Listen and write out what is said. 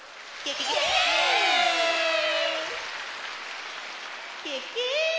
ケケ！